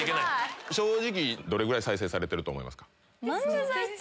正直どれぐらい再生されてると思いますか？